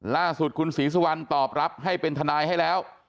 ล่าสุดคุณศรีสุวรรณตอบรับให้เป็นทนายให้แล้ว